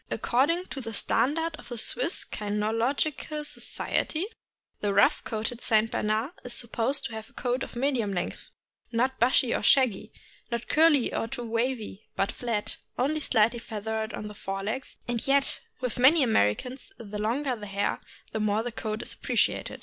According to the standard of the Swiss Kynological Society, the rough coated St. Bernard is supposed to have a coat of medium length, not bushy or shaggy, not curly or too wavy, but flat, only slightly feathered on the fore legs; and yet with many Americans the longer the hair the more the coat is appreciated.